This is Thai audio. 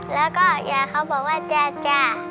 แล้วก็อย่าเขาบอกว่าจ้า